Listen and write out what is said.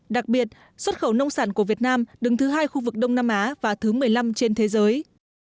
đặc biệt xuất khẩu nông sản của việt nam đứng thứ hai khu vực đông nam á và thứ một mươi năm trên thế giới